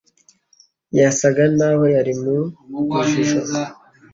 Yasaga naho yari mu rujijo.